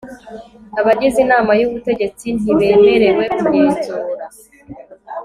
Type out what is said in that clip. abagize inama y ubutegetsi ntibemerewe kugenzura